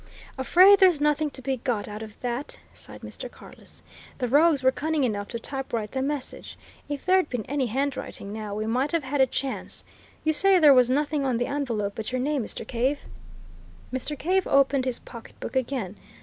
"Afraid there's nothing to be got out of that!" sighed Mr. Carless. "The rogues were cunning enough to typewrite the message if there'd been any handwriting, now, we might have had a chance! You say there was nothing on the envelope but your name, Mr. Cave?" Mr. Cave opened his pocketbook again.